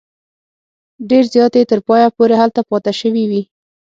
ډېر زیات یې تر پایه پورې هلته پاته شوي وي.